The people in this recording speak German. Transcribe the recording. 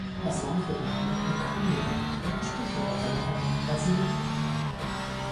Das Land wird nach ihnen Lukanien genannt und entspricht in etwa der heutigen Basilikata.